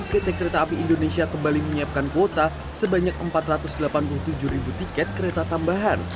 pt kereta api indonesia kembali menyiapkan kuota sebanyak empat ratus delapan puluh tujuh ribu tiket kereta tambahan